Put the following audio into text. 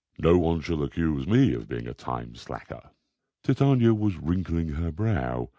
No one shall accuse me of being a time slacker." Titania was wrinkling her brow.